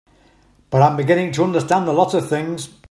But I'm beginning to understand a lot of things.